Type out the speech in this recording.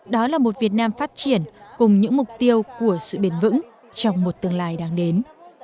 đó là một việt nam phát triển cùng những mục tiêu của sự bền vững trong một tương lai đang đến